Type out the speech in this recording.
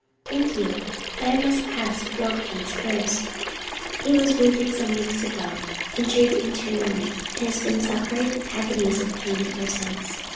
"Thank you, but I must ask Wilkins first. He was wounded some weeks ago; injured internally, and has been suffering agonies of pain ever since.